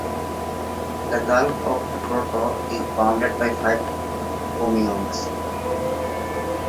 The Gulf of Porto is bounded by five communes.